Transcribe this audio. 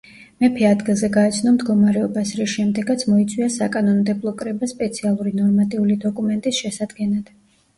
მეფე ადგილზე გაეცნო მდგომარეობას, რის შემდეგაც მოიწვია საკანონმდებლო კრება სპეციალური ნორმატიული დოკუმენტის შესადგენად.